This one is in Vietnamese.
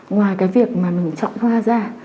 ngoài cái việc mà mình chọn hoa ra